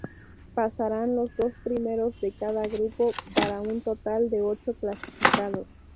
Pasarán los dos primeros de cada grupo, para un total de ocho clasificados.